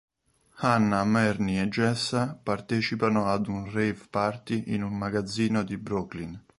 Hannah, Marnie e Jessa partecipano ad un rave party in un magazzino di Brooklyn.